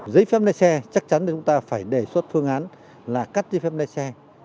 giấy phép lái xe chắc chắn chúng ta phải đề xuất phương án là cắt ti phép lái xe